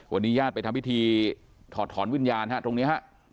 วันนี้ญาติไปทำพิธีถอดถอนวิญญาณฮะตรงนี้ฮะ